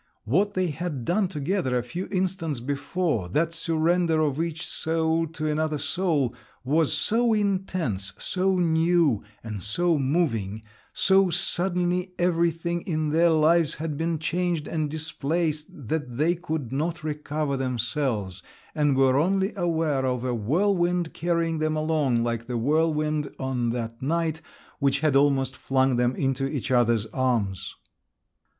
What they had done together a few instants before—that surrender of each soul to another soul—was so intense, so new, and so moving; so suddenly everything in their lives had been changed and displaced that they could not recover themselves, and were only aware of a whirlwind carrying them along, like the whirlwind on that night, which had almost flung them into each other's arms.